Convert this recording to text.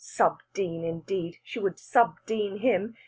Sub dean, indeed! She would sub dean him!